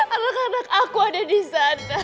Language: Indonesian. anak anak aku ada di sana